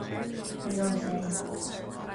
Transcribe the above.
ní liomsa é